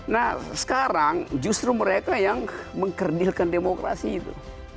nah sekarang justru mereka yang mengkerdilkan demokrasi itu